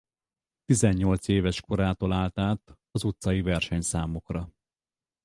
Tizennyolc éves korától állt át az utcai versenyszámokra.